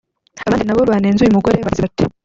Abandi nabo banenze uyu mugore bagize bati